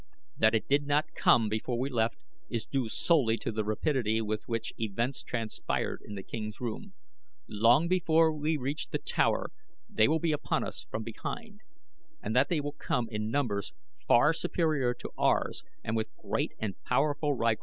That it did not come before we left is due solely to the rapidity with which events transpired in the king's* room. Long before we reach the tower they will be upon us from behind, and that they will come in numbers far superior to ours and with great and powerful rykors I well know."